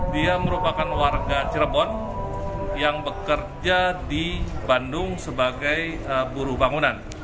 dia merupakan warga cirebon yang bekerja di bandung sebagai buruh bangunan